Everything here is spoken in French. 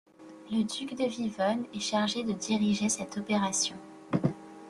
Le duc de Vivonne est chargé de diriger cette opération.